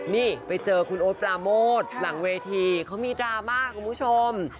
นี่ไปเจอคุณโอ๊ตปราโมทหลังเวทีเขามีดราม่าคุณผู้ชม